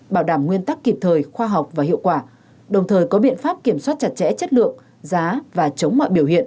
bảo đảm nguyên tắc kịp thời khoa học và hiệu quả đồng thời có biện pháp kiểm soát chặt chẽ chất lượng giá và chống mọi biểu hiện